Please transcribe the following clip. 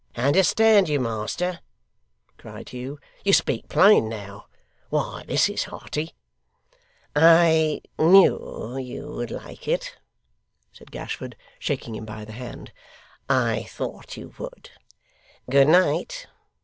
'Understand you, master!' cried Hugh. 'You speak plain now. Why, this is hearty!' 'I knew you would like it,' said Gashford, shaking him by the hand; 'I thought you would. Good night!